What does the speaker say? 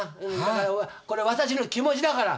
これ私の気持ちだから。